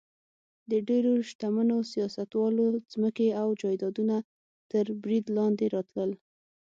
د ډېرو شتمنو سیاستوالو ځمکې او جایدادونه تر برید لاندې راتلل.